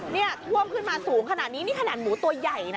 นี่ท่วมขึ้นมาสูงขนาดนี้นี่ขนาดหมูตัวใหญ่นะ